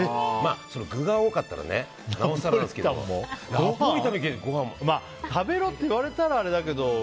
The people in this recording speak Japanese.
具が多かったら食べろって言われたらあれだけど。